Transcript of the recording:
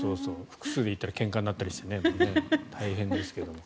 複数で行ったらけんかになったりして大変ですが。